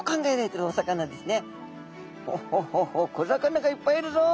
「ホホホホ小魚がいっぱいいるぞ」。